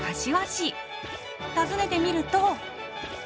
訪ねてみると。